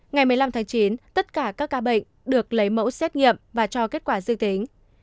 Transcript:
ngày một mươi năm tháng chín tất cả các ca bệnh được lấy mẫu xét nghiệm và cho kết quả dư tính